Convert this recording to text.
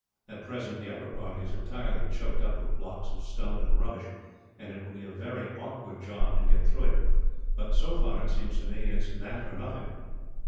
At present, the upper part is entirely choked up with blocks of stone and rubbish, and it will be a very awkward job to get through it; but so far, it seems to me, it is that or nothing."